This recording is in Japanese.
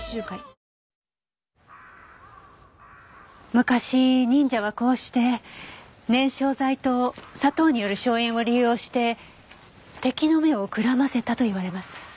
昔忍者はこうして燃焼剤と砂糖による硝煙を利用して敵の目をくらませたと言われます。